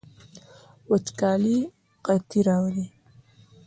وچکالي قحطي راوړي